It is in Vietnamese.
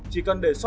chỉ cần để xót